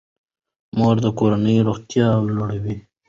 مور د کورنۍ روغتیا لوړوي.